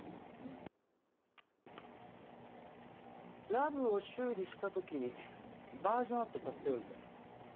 ラブを修理した時にバージョンアップさせておいたの。